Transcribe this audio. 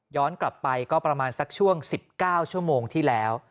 กลับไปก็ประมาณสักช่วง๑๙ชั่วโมงที่แล้ว